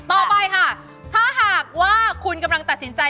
ถ้าหากว่าคุณกำลังตัดสินใจ